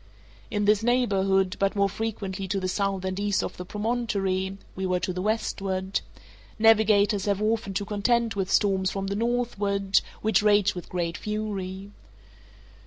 In this neighborhood, but more frequently to the south and east of the promontory (we were to the westward), navigators have often to contend with storms from the northward, which rage with great fury.